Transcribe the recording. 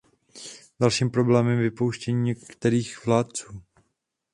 Dalším problémem je vypouštění některých vládců.